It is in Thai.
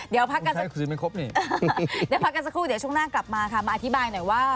เดี๋ยวพักกันสักครู่เดี๋ยวช่วงหน้ากลับมาค่ะมาอธิบายหน่อยว่า